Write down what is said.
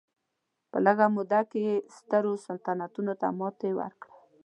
په لږه موده کې یې سترو سلطنتونو ته ماتې ورکړه.